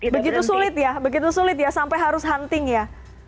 begitu sulit ya begitu sulit ya sampai harus hunting ya